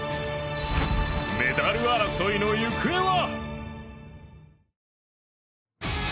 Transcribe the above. メダル争いの行方は。